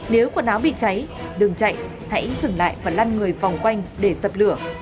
nếu quần áo bị cháy đường chạy hãy dừng lại và lăn người vòng quanh để dập lửa